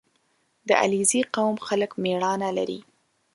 • د علیزي قوم خلک مېړانه لري.